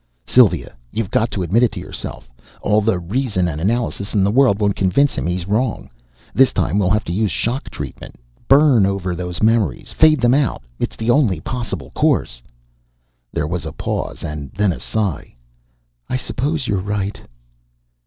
"Sylvia, you've got to admit it to yourself. All the reason and analysis in the world won't convince him he's wrong. This time we'll have to use shock treatment. Burn over those memories, fade them out. It's the only possible course." There was a pause and then a sigh. "I suppose you're right."